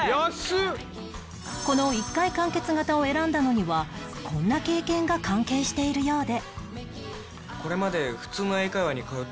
この１回完結型を選んだのにはこんな経験が関係しているようで